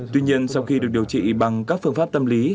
tuy nhiên sau khi được điều trị bằng các phương pháp tâm lý